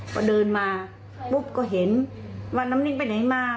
พอเดินมาปุ๊บก็เห็นว่าน้ำนิ่งไปไหนมา